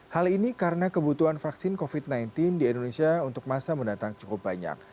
hal ini karena kebutuhan vaksin covid sembilan belas di indonesia untuk masa mendatang cukup banyak